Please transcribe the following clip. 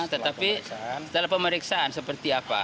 tetapi dalam pemeriksaan seperti apa